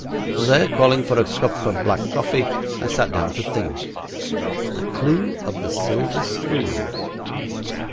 There, calling for a cup of black coffee, I sat down to think. The clue of the silver spoons!